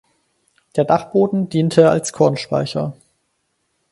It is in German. Der Dachboden diente als Kornspeicher.